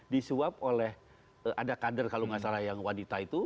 disuap oleh ada kader kalau nggak salah yang wanita itu